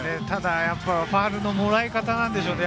あとはファウルのもらい方なんでしょうね。